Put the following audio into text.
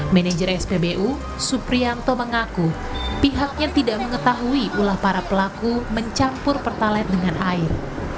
manajer spbu suprianto mengaku pihaknya tidak mengetahui ulah para pelaku mencampur pertalite dengan air